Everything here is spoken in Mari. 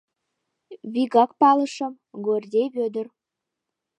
Вигак палышым: Гордей Вӧдыр.